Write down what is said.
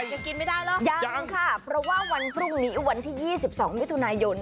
ยังกินไม่ได้เนอะยังค่ะเพราะว่าวันพรุ่งนี้วันที่๒๒มิถุนายน